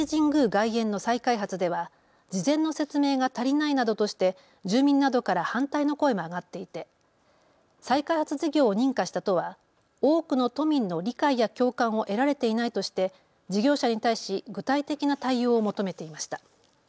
外苑の再開発では事前の説明が足りないなどとして住民などから反対の声も上がっていて再開発事業を認可した都は多くの都民の理解や共感を得られていないとして事業者に対し具体的な対応を求めていました。